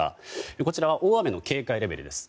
こちら、大雨の警戒レベルです。